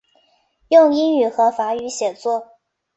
用英语和法语写作。